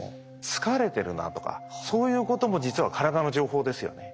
疲れてるなとかそういうことも実は体の情報ですよね。